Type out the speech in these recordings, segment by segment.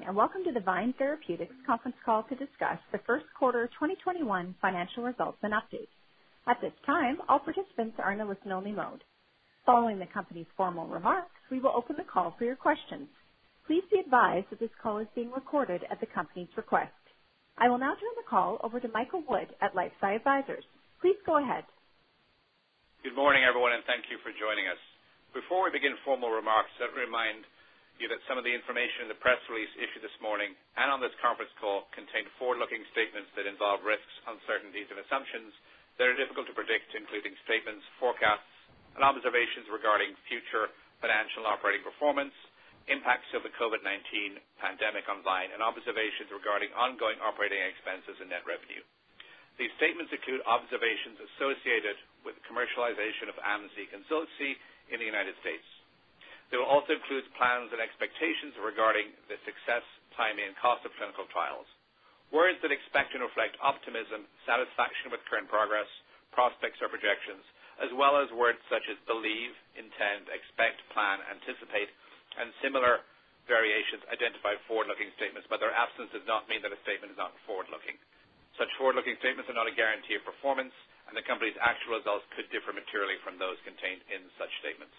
Good morning, and welcome to the VYNE Therapeutics conference call to discuss the Q1 2021 financial results and updates. At this time, all participants are in listen only mode. Following the company's formal remarks, we will open the call for your questions. Please be advised that this call is being recorded at the company's request. I will now turn the call over to Michael Wood at LifeSci Advisors. Please go ahead. Good morning, everyone, and thank you for joining us. Before we begin formal remarks, let me remind you that some of the information in the press release issued this morning and on this conference call contain forward-looking statements that involve risks, uncertainties, and assumptions that are difficult to predict, including statements, forecasts, and observations regarding future financial operating performance, impacts of the COVID-19 pandemic on VYNE, and observations regarding ongoing operating expenses and net revenue. These statements include observations associated with the commercialization of AMZEEQ and ZILXI in the United States. They will also include plans and expectations regarding the success, timing, and cost of clinical trials. Words that expect to reflect optimism, satisfaction with current progress, prospects or projections, as well as words such as believe, intend, expect, plan, anticipate, and similar variations identify forward-looking statements, but their absence does not mean that a statement is not forward-looking. Such forward-looking statements are not a guarantee of performance, and the company's actual results could differ materially from those contained in such statements.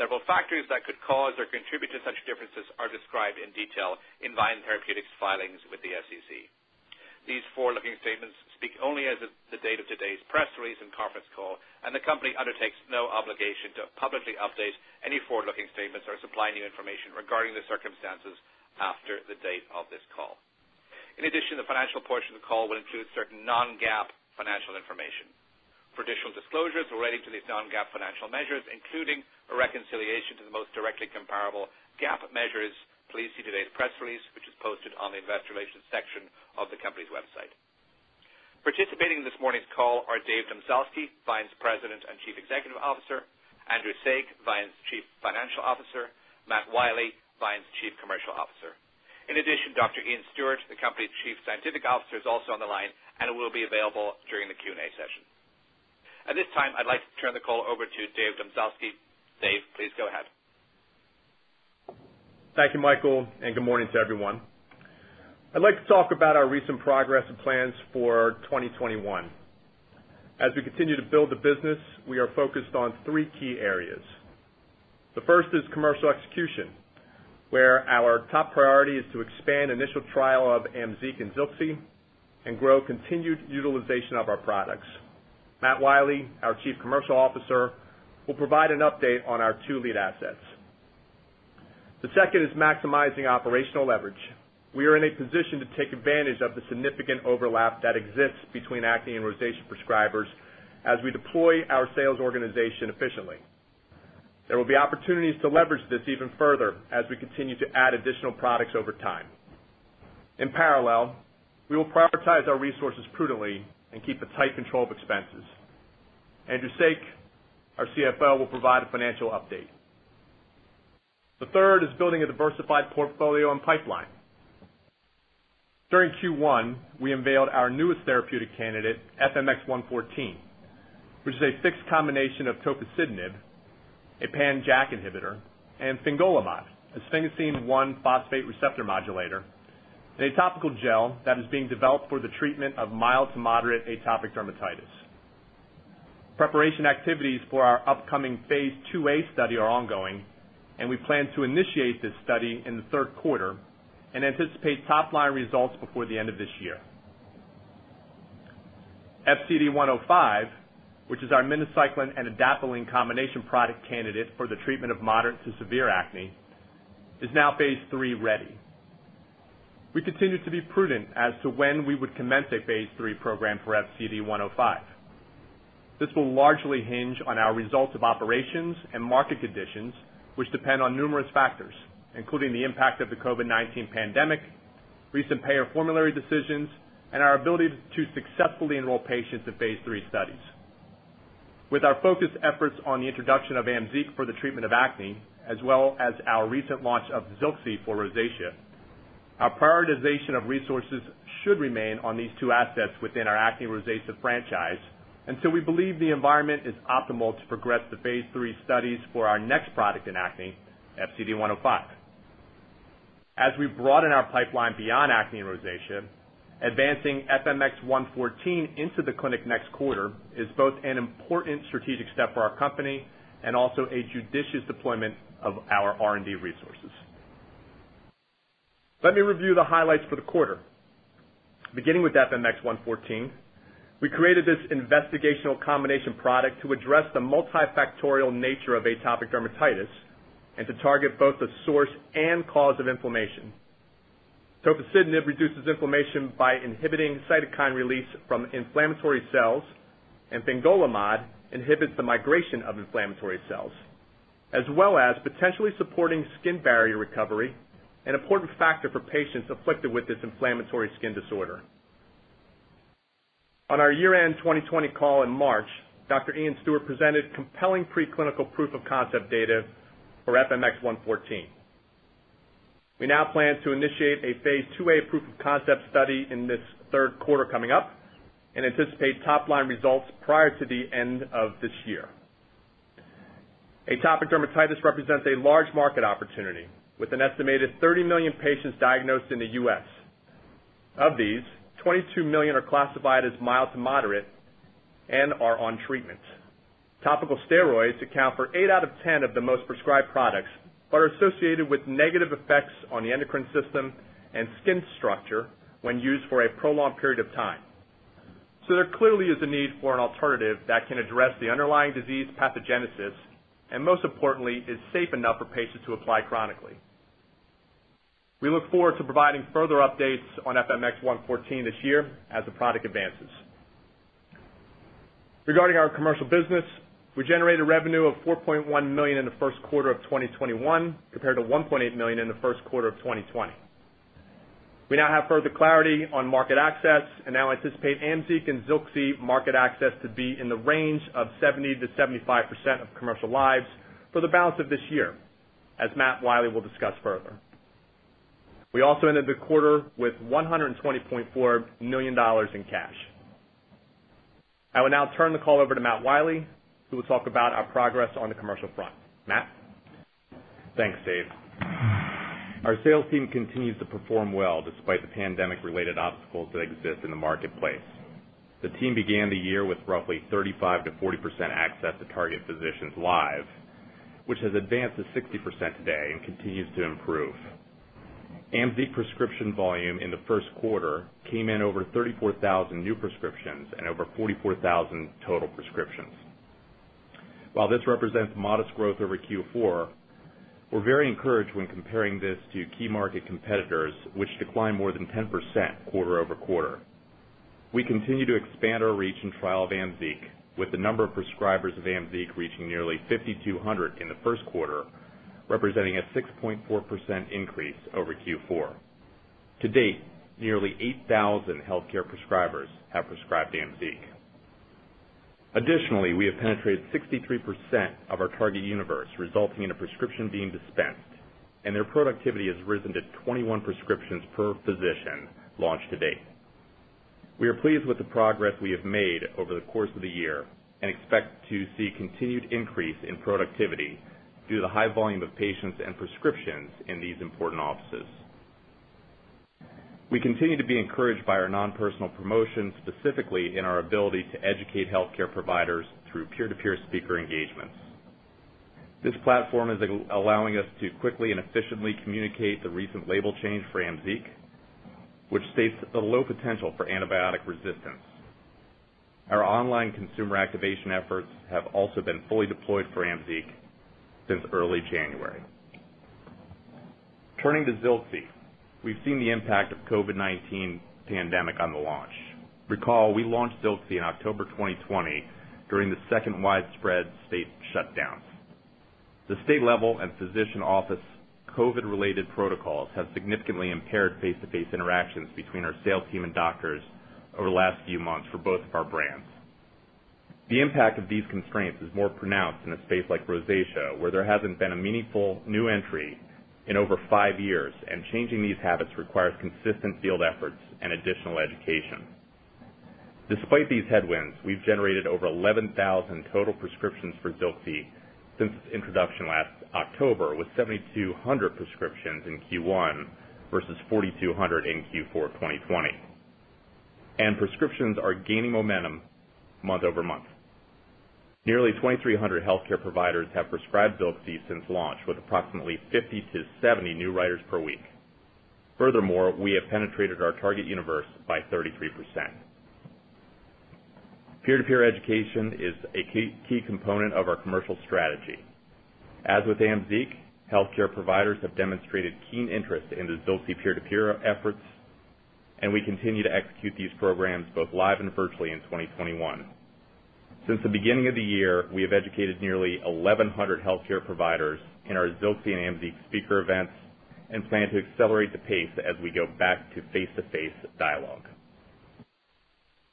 Several factors that could cause or contribute to such differences are described in detail in VYNE Therapeutics' filings with the SEC. These forward-looking statements speak only as of the date of today's press release and conference call, and the company undertakes no obligation to publicly update any forward-looking statements or supply new information regarding the circumstances after the date of this call. In addition, the financial portion of the call will include certain non-GAAP financial information. For additional disclosures related to these non-GAAP financial measures, including a reconciliation to the most directly comparable GAAP measures, please see today's press release, which is posted on the investor relations section of the company's website. Participating in this morning's call are David Domzalski, VYNE's President and Chief Executive Officer, Andrew Saik, VYNE's Chief Financial Officer, Matt Wiley, VYNE's Chief Commercial Officer. In addition, Dr. Iain Stuart, the company's Chief Scientific Officer, is also on the line and will be available during the Q&A session. At this time, I'd like to turn the call over to David Domzalski. Dave, please go ahead. Thank you, Michael, and good morning to everyone. I'd like to talk about our recent progress and plans for 2021. As we continue to build the business, we are focused on three key areas. The first is commercial execution, where our top priority is to expand initial trial of AMZEEQ and ZILXI and grow continued utilization of our products. Matt Wiley, our Chief Commercial Officer, will provide an update on our two lead assets. The second is maximizing operational leverage. We are in a position to take advantage of the significant overlap that exists between acne and rosacea prescribers as we deploy our sales organization efficiently. There will be opportunities to leverage this even further as we continue to add additional products over time. In parallel, we will prioritize our resources prudently and keep a tight control of expenses. Andrew Saik, our CFO, will provide a financial update. The third is building a diversified portfolio and pipeline. During Q1, we unveiled our newest therapeutic candidate, FMX114, which is a fixed combination of tofacitinib, a pan-JAK inhibitor, and fingolimod, a sphingosine-1-phosphate receptor modulator, in a topical gel that is being developed for the treatment of mild to moderate atopic dermatitis. Preparation activities for our upcoming Phase IIa study are ongoing. We plan to initiate this study in the Q3 and anticipate top-line results before the end of this year. FCD105, which is our minocycline and adapalene combination product candidate for the treatment of moderate to severe acne, is now Phase III-ready. We continue to be prudent as to when we would commence a Phase III program for FCD105. This will largely hinge on our results of operations and market conditions, which depend on numerous factors, including the impact of the COVID-19 pandemic, recent payer formulary decisions, and our ability to successfully enroll patients in Phase III studies. With our focused efforts on the introduction of AMZEEQ for the treatment of acne, as well as our recent launch of ZILXI for rosacea, our prioritization of resources should remain on these two assets within our acne and rosacea franchise. We believe the environment is optimal to progress the Phase III studies for our next product in acne, FCD105. As we broaden our pipeline beyond acne and rosacea, advancing FMX114 into the clinic next quarter is both an important strategic step for our company and also a judicious deployment of our R&D resources. Let me review the highlights for the quarter. Beginning with FMX114, we created this investigational combination product to address the multifactorial nature of atopic dermatitis and to target both the source and cause of inflammation. tofacitinib reduces inflammation by inhibiting cytokine release from inflammatory cells, and fingolimod inhibits the migration of inflammatory cells, as well as potentially supporting skin barrier recovery, an important factor for patients afflicted with this inflammatory skin disorder. On our year-end 2020 call in March, Dr. Iain Stuart presented compelling preclinical Proof-of-Concept data for FMX114. We now plan to initiate a Phase IIa Proof-of-Concept study in this Q3 coming up and anticipate top-line results prior to the end of this year. atopic dermatitis represents a large market opportunity with an estimated 30 million patients diagnosed in the U.S. Of these, 22 million are classified as mild to moderate and are on treatment. Topical steroids account for eight out of 10 of the most prescribed products, but are associated with negative effects on the endocrine system and skin structure when used for a prolonged period of time. There clearly is a need for an alternative that can address the underlying disease pathogenesis, and most importantly, is safe enough for patients to apply chronically. We look forward to providing further updates on FMX114 this year as the product advances. Regarding our commercial business, we generated revenue of $4.1 million in the Q1 of 2021 compared to $1.8 million in the Q1 of 2020. We now have further clarity on market access and now anticipate AMZEEQ and ZILXI market access to be in the range of 70%-75% of commercial lives for the balance of this year, as Matt Wiley will discuss further. We also ended the quarter with $120.4 million in cash. I will now turn the call over to Matt Wiley, who will talk about our progress on the commercial front. Matt? Thanks, Dave. Our sales team continues to perform well despite the pandemic-related obstacles that exist in the marketplace. The team began the year with roughly 35%-40% access to target physicians live, which has advanced to 60% today and continues to improve. AMZEEQ prescription volume in the Q1 came in over 34,000 new prescriptions and over 44,000 total prescriptions. While this represents modest growth over Q4, we're very encouraged when comparing this to key market competitors, which declined more than 10% quarter-over-quarter. We continue to expand our reach and trial of AMZEEQ, with the number of prescribers of AMZEEQ reaching nearly 5,200 in the Q1, representing a 6.4% increase over Q4. To date, nearly 8,000 healthcare prescribers have prescribed AMZEEQ. Additionaly we have penetrated 63% of our target universe, resulting in a prescription being dispensed, and their productivity has risen to 21 prescriptions per physician launch to date. We are pleased with the progress we have made over the course of the year and expect to see continued increase in productivity due to the high volume of patients and prescriptions in these important offices. We continue to be encouraged by our non-personal promotions, specifically in our ability to educate healthcare providers through peer-to-peer speaker engagements. This platform is allowing us to quickly and efficiently communicate the recent label change for AMZEEQ, which states the low potential for antibiotic resistance. Our online consumer activation efforts have also been fully deployed for AMZEEQ since early January. Turning to ZILXI, we've seen the impact of COVID-19 pandemic on the launch. Recall, we launched ZILXI in October 2020 during the second widespread state shutdowns. The state level and physician office COVID-related protocols have significantly impaired face-to-face interactions between our sales team and doctors over the last few months for both of our brands. The impact of these constraints is more pronounced in a space like rosacea, where there hasn't been a meaningful new entry in over five years, and changing these habits requires consistent field efforts and additional education. Despite these headwinds, we've generated over 11,000 total prescriptions for ZILXI since its introduction last October, with 7,200 prescriptions in Q1 versus 4,200 in Q4 2020. Prescriptions are gaining momentum month-over-month. Nearly 2,300 healthcare providers have prescribed ZILXI since launch, with approximately 50 to 70 new writers per week. Furthermore, we have penetrated our target universe by 33%. Peer-to-peer education is a key component of our commercial strategy. As with AMZEEQ, healthcare providers have demonstrated keen interest in the ZILXI peer-to-peer efforts, and we continue to execute these programs both live and virtually in 2021. Since the beginning of the year, we have educated nearly 1,100 healthcare providers in our ZILXI and AMZEEQ speaker events and plan to accelerate the pace as we go back to face-to-face dialogue.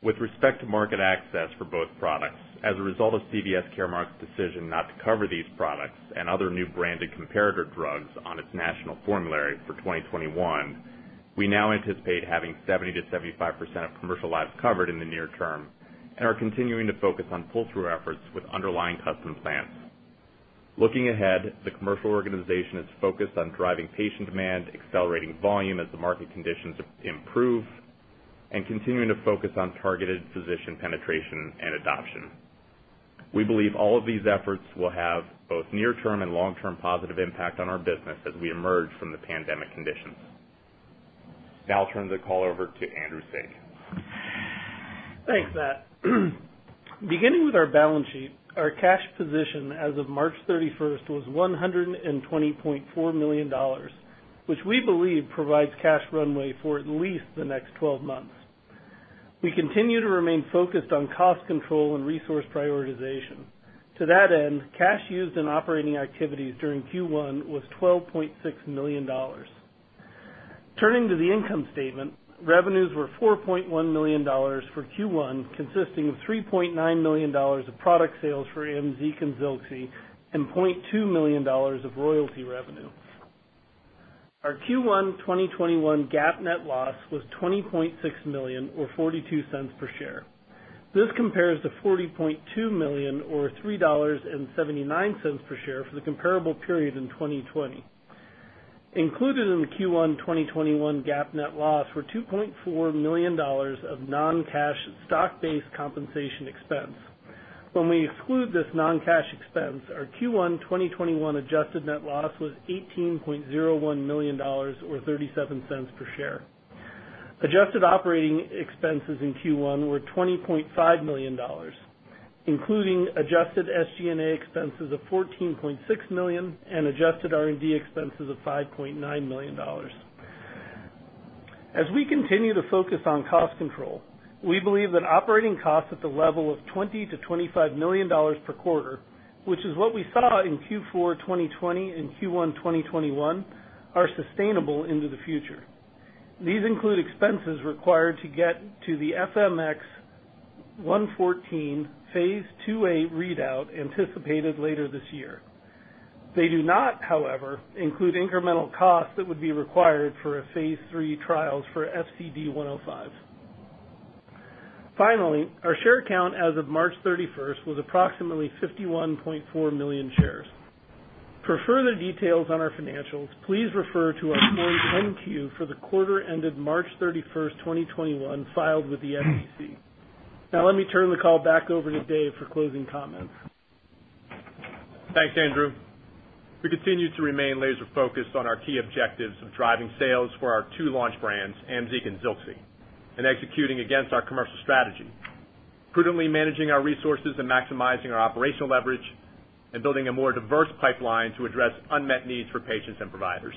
With respect to market access for both products, as a result of CVS Caremark's decision not to cover these products and other new branded comparator drugs on its national formulary for 2021, we now anticipate having 70%-75% of commercial lives covered in the near term and are continuing to focus on pull-through efforts with underlying custom plans. Looking ahead, the commercial organization is focused on driving patient demand, accelerating volume as the market conditions improve, and continuing to focus on targeted physician penetration and adoption. We believe all of these efforts will have both near-term and long-term positive impact on our business as we emerge from the pandemic conditions. Now I'll turn the call over to Andrew Saik. Thanks, Matt. Beginning with our balance sheet, our cash position as of 31 March was $120.4 million, which we believe provides cash runway for at least the next 12 months. We continue to remain focused on cost control and resource prioritization. To that end, cash used in operating activities during Q1 was $12.6 million. Turning to the income statement, revenues were $4.1 million for Q1, consisting of $3.9 million of product sales for AMZEEQ and ZILXI, and $0.2 million of royalty revenue. Our Q1 2021 GAAP net loss was $20.6 million or $0.42 per share. This compares to $40.2 million or $3.79 per share for the comparable period in 2020. Included in the Q1 2021 GAAP net loss were $2.4 million of non-cash stock-based compensation expense. When we exclude this non-cash expense, our Q1 2021 adjusted net loss was $18.01 million or $0.37 per share. Adjusted operating expenses in Q1 were $20.5 million, including adjusted SG&A expenses of $14.6 million and adjusted R&D expenses of $5.9 million. As we continue to focus on cost control, we believe that operating costs at the level of $20 million-$25 million per quarter, which is what we saw in Q4 2020 and Q1 2021, are sustainable into the future. These include expenses required to get to the FMX114 Phase IIa readout anticipated later this year. They do not, however, include incremental costs that would be required for a Phase III trials for FCD105. Finally, our share count as of 31 March was approximately $51.4 million shares. For further details on our financials, please refer to our Form 10-Q for the quarter ended 31 March 2021, filed with the SEC. Let me turn the call back over to David Domzalski for closing comments. Thanks, Andrew Saik. We continue to remain laser-focused on our key objectives of driving sales for our two launch brands, AMZEEQ and ZILXI, and executing against our commercial strategy, prudently managing our resources and maximizing our operational leverage, and building a more diverse pipeline to address unmet needs for patients and providers.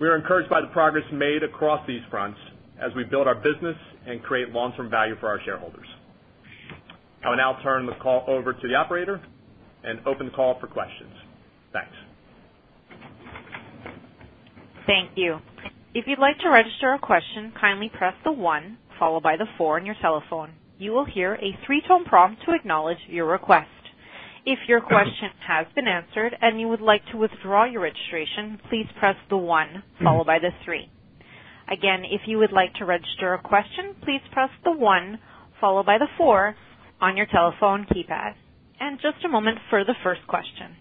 We are encouraged by the progress made across these fronts as we build our business and create long-term value for our shareholders. I will now turn the call over to the operator and open the call for questions. Thanks. Thank you. If you'd like to register a question, kindly press the one followed by the four on your telephone. You will hear a three-tone prompt to acknowledge your request. If your question has been answered and you would like to withdraw your registration, please press the one followed by the three. Again, if you would like to register a question, please press the one followed by the four on your telephone keypad. Just a moment for the first question.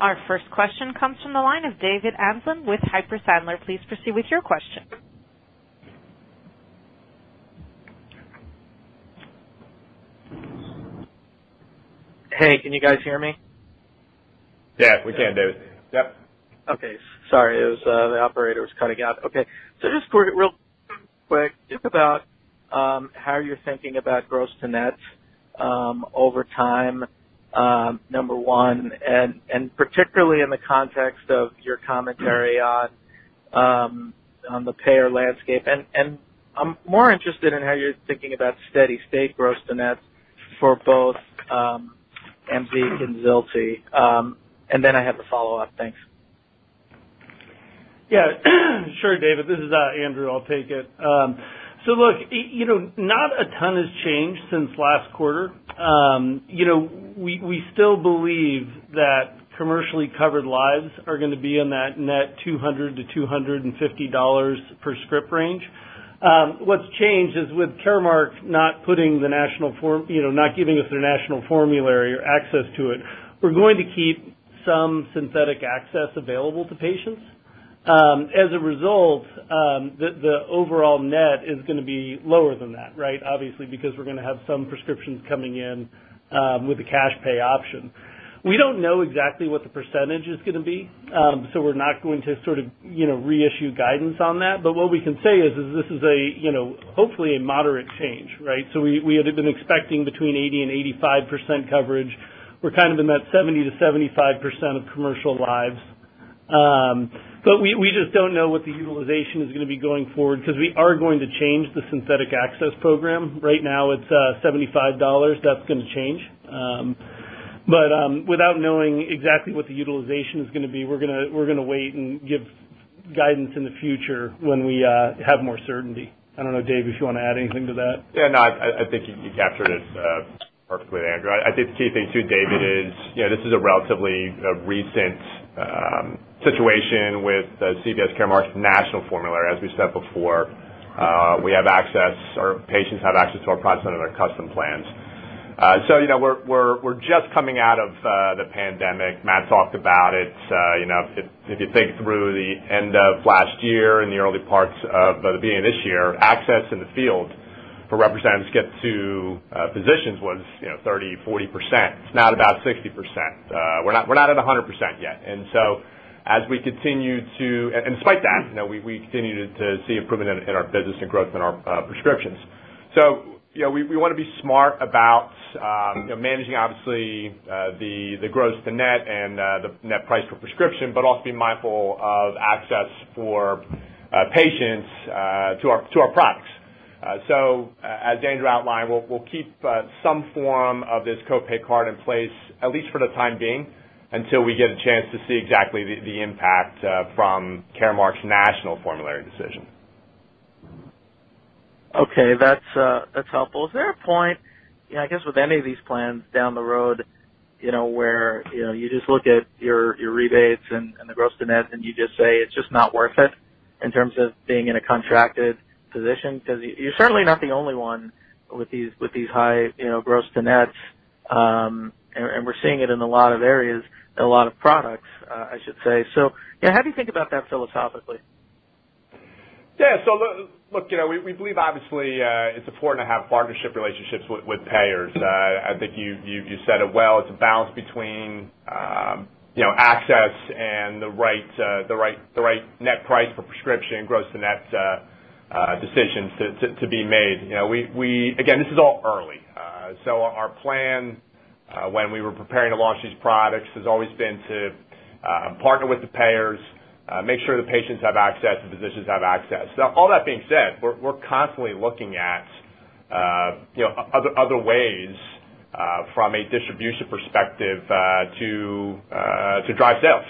Our first question comes from the line of David Amsellem with Piper Sandler. Please proceed with your question. Hey, can you guys hear me? Yeah, we can, David. Yep. Okay. Sorry, the operator was cutting out. Okay. Just real quick, just about how you're thinking about gross to net over time, number one, and particularly in the context of your commentary on the payer landscape. I'm more interested in how you're thinking about steady state gross to net for both AMZEEQ and ZILXI. Then I have a follow-up. Thanks. Yeah, sure, David this is Andrew i'll take it. Look, not a ton has changed since last quarter. We still believe that commercially covered lives are going to be in that net $200-$250 per script range. What's changed is with Caremark not giving us their national formulary or access to it, we're going to keep some synthetic access available to patients. As a result, the overall net is going to be lower than that, right? Obviously, because we're going to have some prescriptions coming in with a cash pay option. We don't know exactly what the percentage is going to be, we're not going to sort of reissue guidance on that but what we can say is this is hopefully a moderate change, right? We had been expecting between 80%-85% coverage. We're kind of in that 70%-75% of commercial lives. We just don't know what the utilization is going to be going forward because we are going to change the synthetic access program. Right now it's $75 that's going to change. Without knowing exactly what the utilization is going to be, we're going to wait and give guidance in the future when we have more certainty. I don't know, David, if you want to add anything to that. No, I think you captured it perfectly, Andrew i think the key thing too, David, is this is a relatively recent situation with CVS Caremark's national formulary as we said before, our patients have access to our products under their custom plans. We're just coming out of the pandemic Matt talked about it. If you think through the end of last year and the early parts of the beginning of this year, access in the field for representatives to get to physicians was 30%-40%, it's now about 60%. We're not at 100% yet. Despite that, we continue to see improvement in our business and growth in our prescriptions. We want to be smart about managing, obviously, the gross to net and the net price per prescription, but also be mindful of access for patients to our products. As Andrew outlined, we'll keep some form of this co-pay card in place, at least for the time being, until we get a chance to see exactly the impact from Caremark's national formulary decision. Okay, that's helpful is there a point, I guess with any of these plans down the road, where you just look at your rebates and the gross to net and you just say it's just not worth it in terms of being in a contracted position? Because you're certainly not the only one with these high gross to nets, and we're seeing it in a lot of areas, in a lot of products, I should say. Yeah, how do you think about that philosophically? Yeah. Look, we believe obviously, it's important to have partnership relationships with payers. I think you said it well, it's a balance between access and the right net price for prescription gross to net decisions to be made again, this is all early. Our plan when we were preparing to launch these products has always been to partner with the payers, make sure the patients have access, the physicians have access now, all that being said, we're constantly looking at other ways from a distribution perspective to drive sales.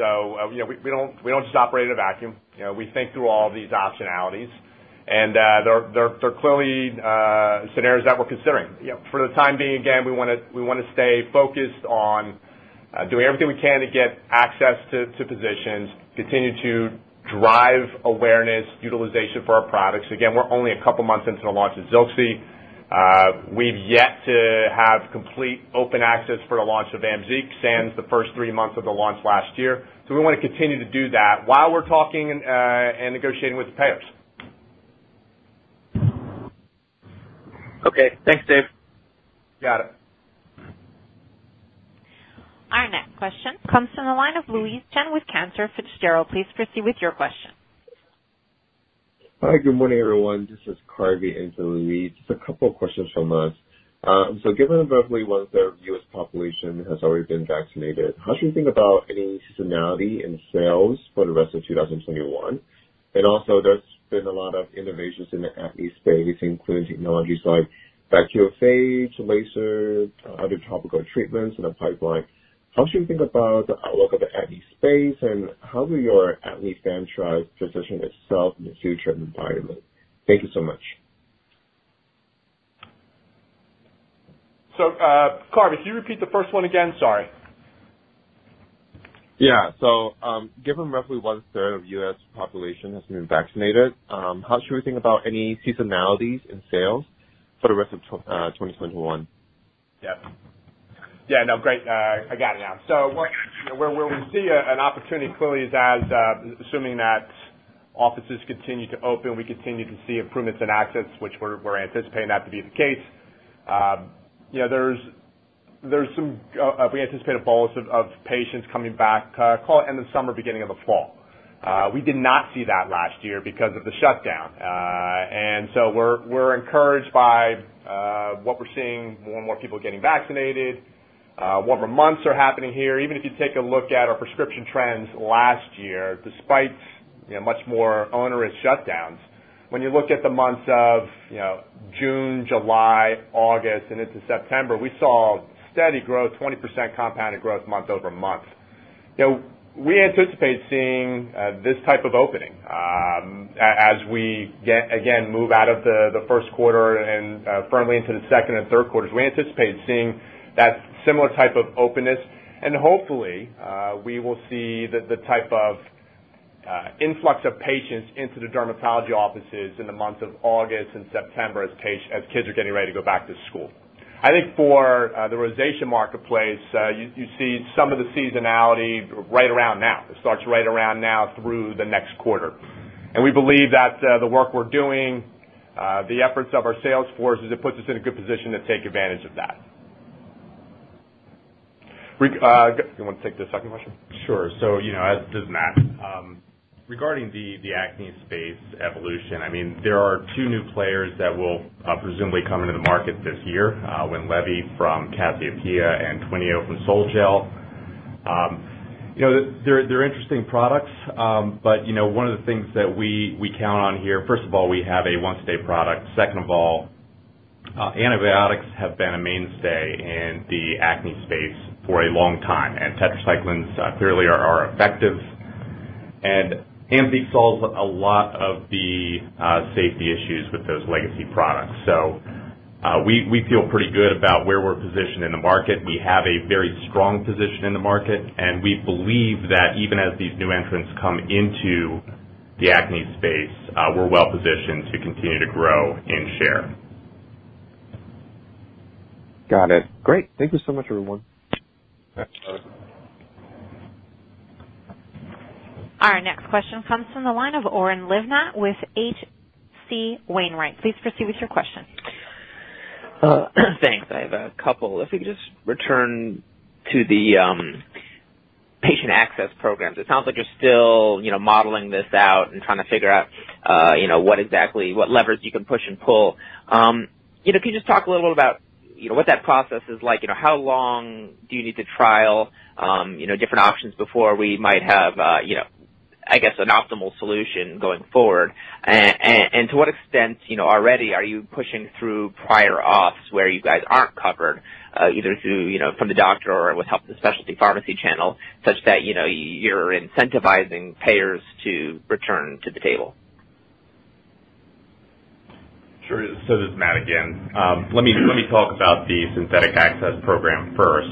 We don't just operate in a vacuum. We think through all of these optionalities, and they're clearly scenarios that we're considering. For the time being, again, we want to stay focused on doing everything we can to get access to physicians, continue to drive awareness, utilization for our products again, we're only a couple of months into the launch of ZILXI. We've yet to have complete open access for the launch of AMZEEQ, sans the first three months of the launch last year. We want to continue to do that while we're talking and negotiating with the payers. Okay. Thanks, Dave. Got it. Our next question comes from the line of Louise Chen with Cantor Fitzgerald. Please proceed with your question. Hi, good morning, everyone this is Carvey and then Louise Chen. Just a couple of questions from us. Given roughly one third of U.S. population has already been vaccinated, how should we think about any seasonality in sales for the rest of 2021? There's been a lot of innovations in the acne space, including technologies like bacteriophage, lasers, other topical treatments in the pipeline. How should we think about the outlook of the acne space? and how will your acne franchise position itself in the future environment? Thank you so much. Carvey, could you repeat the first one again? Sorry. Given roughly 1/3 of U.S. population has been vaccinated, how should we think about any seasonalities in sales for the rest of 2021? Yeah. No, great. I got it now. Where we see an opportunity clearly is as, assuming that offices continue to open, we continue to see improvements in access, which we're anticipating that to be the case. We anticipate a bolus of patients coming back, call it end of summer, beginning of the fall. We did not see that last year because of the shutdown. We're encouraged by what we're seeing, more and more people getting vaccinated. Warmer months are happening here even if you take a look at our prescription trends last year, despite much more onerous shutdowns, when you look at the months of June, July, August, and into September, we saw steady growth, 20% compounded growth month-over-month. We anticipate seeing this type of opening as we again, move out of the Q1 and firmly into the Q2 and Q3 we anticipate seeing that similar type of openness. Hopefully, we will see the type of influx of patients into the dermatology offices in the months of August and September as kids are getting ready to go back to school. I think for the rosacea marketplace, you see some of the seasonality right around now it starts right around now through the next quarter. We believe that the work we're doing, the efforts of our sales force, it puts us in a good position to take advantage of that. You want to take the second question? Sure. This is Matt. Regarding the acne space evolution, there are two new players that will presumably come into the market this year, Winlevi from Cassiopea and TWYNEO from Sol-Gel. They're interesting products, one of the things that we count on here, first of all, we have a once-a-day product second of all- Antibiotics have been a mainstay in the acne space for a long time, tetracyclines clearly are effective. AMZEEQ solves a lot of the safety issues with those legacy products. We feel pretty good about where we're positioned in the market. We have a very strong position in the market and we believe that even as these new entrants come into the acne space, we're well positioned to continue to grow in share. Got it. Great. Thank you so much, everyone. Our next question comes from the line of Oren Livnat with H.C. Wainwright. Please proceed with your question. Thanks. I have a couple we could just return to the patient access programs it sounds like you're still modeling this out and trying to figure out what levers you can push and pull. Can you just talk a little bit about what that process is like? How long do you need to trial different options before we might have, I guess, an optimal solution going forward? and to what extent, already are you pushing through prior auths where you guys aren't covered, either from the doctor or with help of the specialty pharmacy channel, such that you're incentivizing payers to return to the table? Sure. This is Matt again. Let me talk about the synthetic access program first.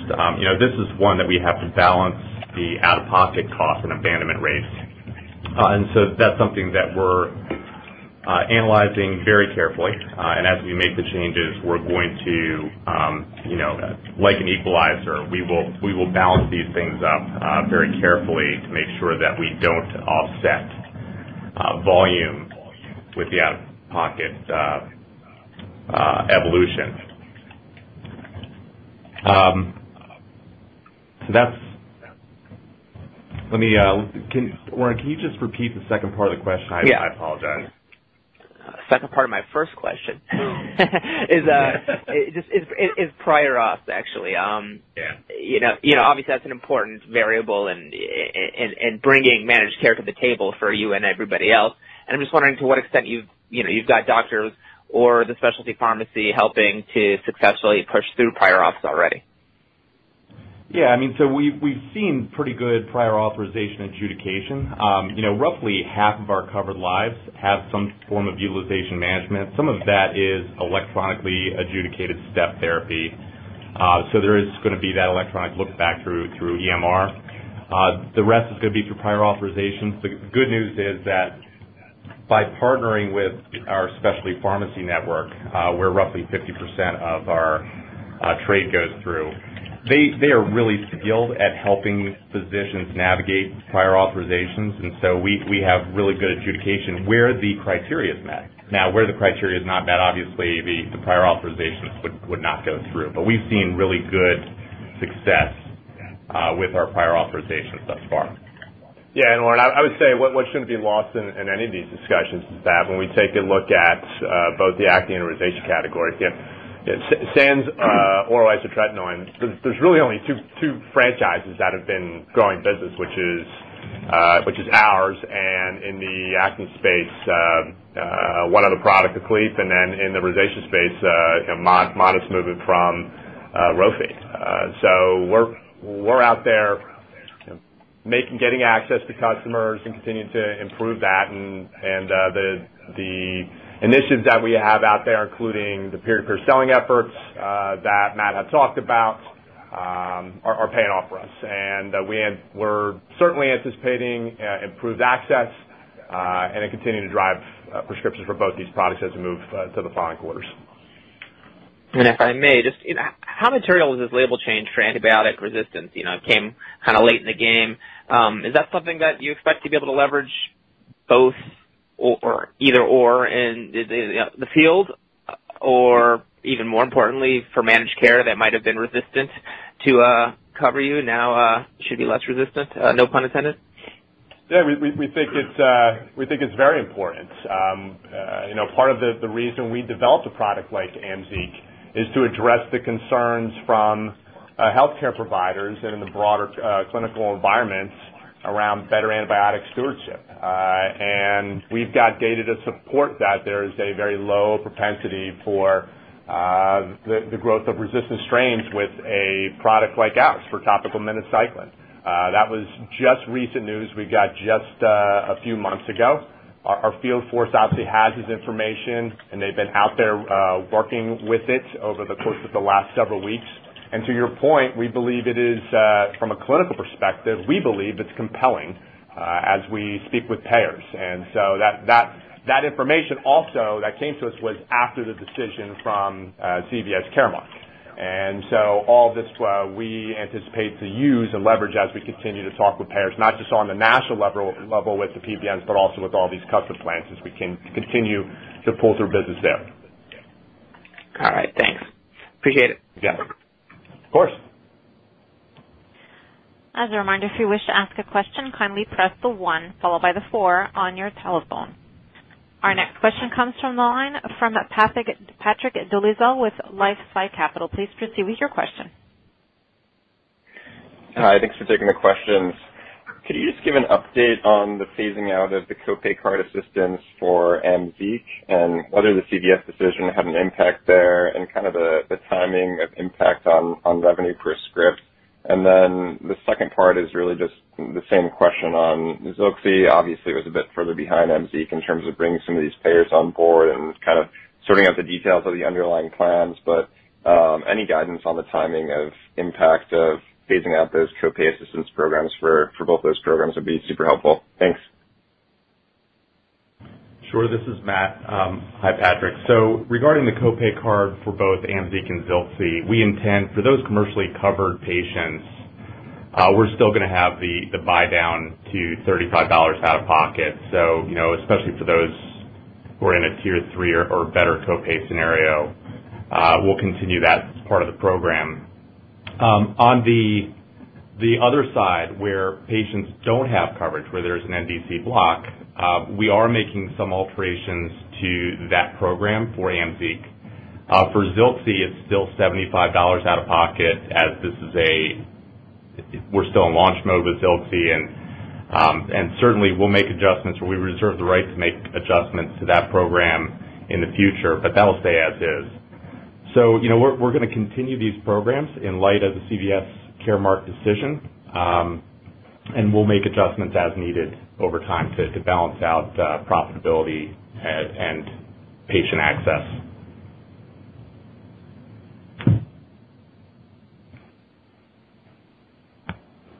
This is one that we have to balance the out-of-pocket cost and abandonment rates. That's something that we're analyzing very carefully. As we make the changes, like an equalizer, we will balance these things up very carefully to make sure that we don't offset volume with the out-of-pocket evolution. Oren Livnat, can you just repeat the second part of the question? Yeah. I apologize. Second part of my first question is, prior auth, actually. Yeah. Obviously, that's an important variable in bringing managed care to the table for you and everybody else. I'm just wondering to what extent you've got doctors or the specialty pharmacy helping to successfully push through prior auths already. Yeah we've seen pretty good prior authorization adjudication. Roughly half of our covered lives have some form of utilization management some of that is electronically adjudicated step therapy. There is going to be that electronic look back through EMR. The rest is going to be through prior authorization the good news is that by partnering with our specialty pharmacy network, where roughly 50% of our trade goes through, they are really skilled at helping physicians navigate prior authorizations so we have really good adjudication where the criteria is met. Now, where the criteria is not met, obviously, the prior authorizations would not go through we've seen really good success with our prior authorizations thus far. Yeah. Oren, I would say what shouldn't be lost in any of these discussions is that when we take a look at both the acne and rosacea category, again, sans oral isotretinoin, there's really only two franchises that have been growing business, which is ours and in the acne space, one other product, AKLIEF, and then in the rosacea space, you have modest movement from ROVI. We're out there getting access to customers and continuing to improve that. The initiatives that we have out there, including the peer-to-peer selling efforts that Matt had talked about, are paying off for us. We're certainly anticipating improved access, and it continue to drive prescriptions for both these products as we move to the following quarters. If I may, just how material is this label change for antibiotic resistance? It came late in the game. Is that something that you expect to be able to leverage both? or either or in the field? or even more importantly, for managed care that might have been resistant to cover you now should be less resistant? No pun intended. Yeah, we think it's very important. Part of the reason we developed a product like AMZEEQ is to address the concerns from healthcare providers and in the broader clinical environments around better antibiotic stewardship. We've got data to support that there is a very low propensity for the growth of resistant strains with a product like ours for topical minocycline. That was just recent news we got just a few months ago. Our field force obviously has this information, and they've been out there working with it over the course of the last several weeks. To your point, we believe it is, from a clinical perspective, we believe it's compelling as we speak with payers. That information also that came to us was after the decision from CVS Caremark. All this, we anticipate to use and leverage as we continue to talk with payers, not just on the national level with the PBMs, but also with all these custom plans as we continue to pull through business there. All right. Thanks. Appreciate it. Yeah. Of course. As a reminder, if you wish to ask a question, kindly press the one followed by the four on your telephone. Our next question comes from the line from Patrick Dolezal with LifeSci Capital. Please proceed with your question. Hi, thanks for taking the questions. Could you just give an update on the phasing out of the co-pay card assistance for AMZEEQ and whether the CVS decision had an impact there and the timing of impact on revenue per script? The second part is really just the same question on ZILXI obviously, it was a bit further behind AMZEEQ in terms of bringing some of these payers on board and sorting out the details of the underlying plans. Any guidance on the timing of impact of phasing out those co-pay assistance programs for both those programs would be super helpful. Thanks. Sure. This is Matt. Hi, Patrick. Regarding the co-pay card for both AMZEEQ and ZILXI, we intend for those commercially covered patients, we're still going to have the buy-down to $35 out of pocket. Especially for those who are in a tier 3 or better co-pay scenario, we'll continue that as part of the program. On the other side, where patients don't have coverage, where there's an NDC block, we are making some alterations to that program for AMZEEQ. For ZILXI, it's still $75 out of pocket as we're still in launch mode with ZILXI, and certainly, we'll make adjustments or we reserve the right to make adjustments to that program in the future but that will stay as is. We're going to continue these programs in light of the CVS Caremark decision, and we'll make adjustments as needed over time to balance out profitability and patient access.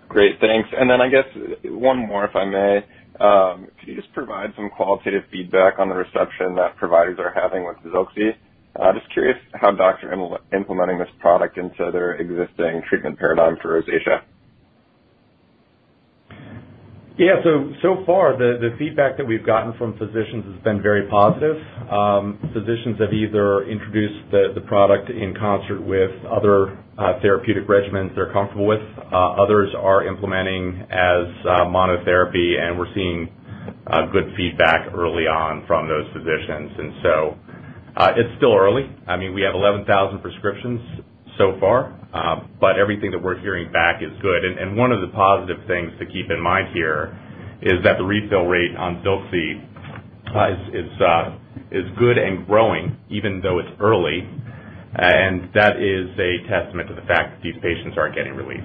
Great, thanks. I guess one more, if I may. Could you just provide some qualitative feedback on the reception that providers are having with ZILXI? Just curious how doctors are implementing this product into their existing treatment paradigm for rosacea. Yeah. So far, the feedback that we've gotten from physicians has been very positive. Physicians have either introduced the product in concert with other therapeutic regimens they're comfortable with. Others are implementing as monotherapy, and we're seeing good feedback early on from those physicians. It's still early. We have 11,000 prescriptions so far, but everything that we're hearing back is good and one of the positive things to keep in mind here is that the refill rate on ZILXI is good and growing, even though it's early. That is a testament to the fact that these patients are getting relief.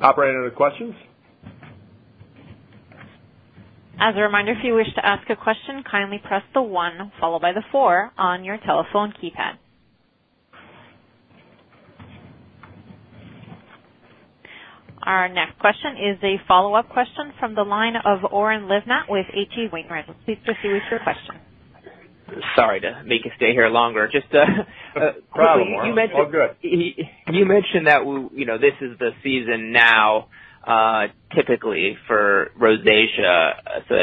Operator, other questions? As a reminder, if you wish to ask a question, kindly press the one followed by the four on your telephone keypad. Our next question is a follow-up question from the line of Oren Livnat with H.C. Wainwright. Please proceed with your question. Sorry to make you stay here longer. No problem, Oren. All good. You mentioned that this is the season now typically for rosacea, so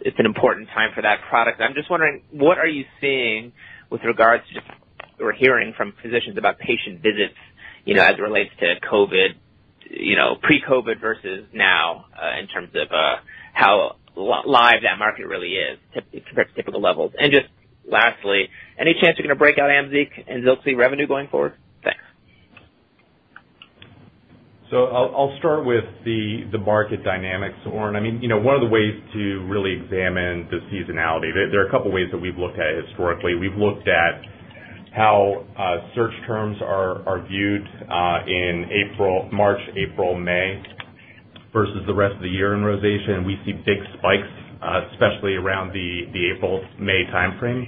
it's an important time for that product. I'm just wondering, what are you seeing with regards to, or hearing from physicians about patient visits as it relates to COVID, pre-COVID versus now, in terms of how live that market really is compared to typical levels? Just lastly, any chance you're going to break out AMZEEQ and ZILXI revenue going forward? Thanks. I'll start with the market dynamics, Oren one of the ways to really examine the seasonality, there are a couple of ways that we've looked at it historically we've looked at how search terms are viewed in March, April, May, versus the rest of the year in rosacea, and we see big spikes, especially around the April/May timeframe.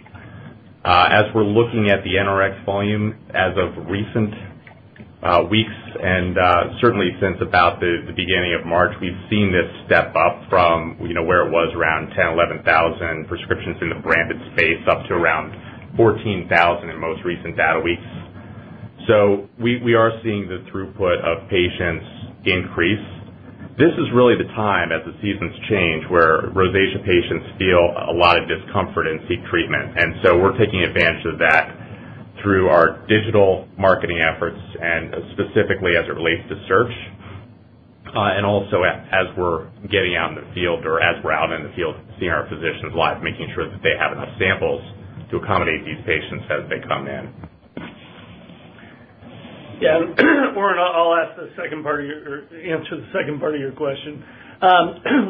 As we're looking at the NRx volume as of recent weeks and certainly since about the beginning of March, we've seen this step up from where it was around 10,000, 11,000 prescriptions in the branded space up to around 14,000 in most recent data weeks. We are seeing the throughput of patients increase. This is really the time as the seasons change, where rosacea patients feel a lot of discomfort and seek treatment and we're taking advantage of that through our digital marketing efforts and specifically as it relates to search. As we're getting out in the field or as we're out in the field seeing our physicians live, making sure that they have enough samples to accommodate these patients as they come in. Oren, I'll answer the second part of your question.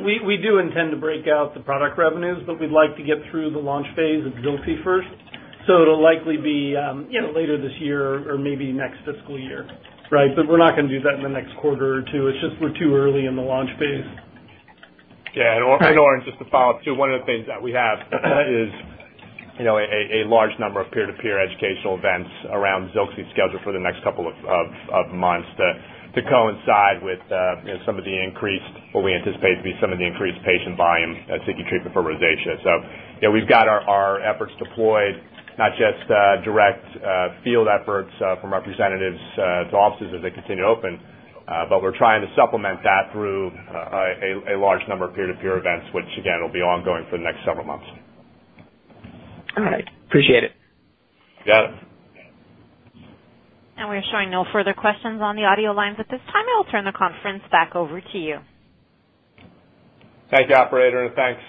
We do intend to break out the product revenues, but we'd like to get through the launch phase of ZILXI first, so it'll likely be later this year or maybe next fiscal year. We're not going to do that in the next quarter or Q2 it's just we're too early in the launch phase. Yeah Oren, just to follow up too, one of the things that we have is a large number of peer-to-peer educational events around ZILXI scheduled for the next couple of months to coincide with what we anticipate to be some of the increased patient volume seeking treatment for rosacea. We've got our efforts deployed, not just direct field efforts from representatives to offices as they continue to open, but we're trying to supplement that through a large number of peer-to-peer events, which again, will be ongoing for the next several months. All right. Appreciate it. Got it. We're showing no further questions on the audio lines at this time. I'll turn the conference back over to you. Thank you, operator, and thanks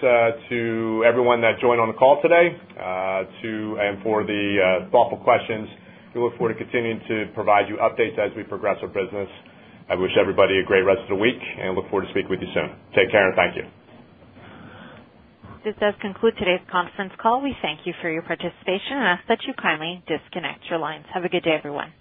to everyone that joined on the call today and for the thoughtful questions. We look forward to continuing to provide you updates as we progress our business. I wish everybody a great rest of the week, and look forward to speaking with you soon. Take care, and thank you. This does conclude today's conference call. We thank you for your participation and ask that you kindly disconnect your lines. Have a good day, everyone.